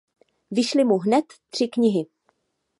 Vyšly mu hned tři knihy.